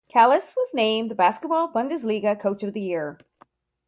Calles was named the Basketball Bundesliga Coach of the Year.